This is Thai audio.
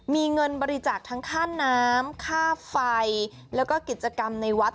มีเงินบริจาคทั้งค่าน้ำค่าไฟแล้วก็กิจกรรมในวัด